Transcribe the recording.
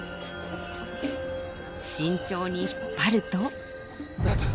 慎重に引っ張ると。